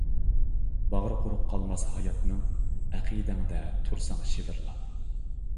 باغرى قۇرۇق قالماس ھاياتنىڭ، ئەقىدەڭدە تۇرساڭ شىۋىرلاپ.